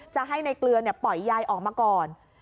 จะให้ในเกลือปล่อยยายออกมาก่อน